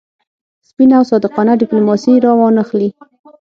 سپینه او صادقانه ډیپلوماسي را وانه خلي.